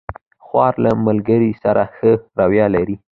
خور له ملګرو سره ښه رویه لري.